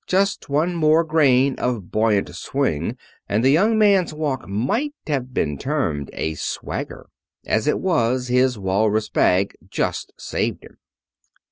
Just one more grain of buoyant swing and the young man's walk might have been termed a swagger. As it was, his walrus bag just saved him.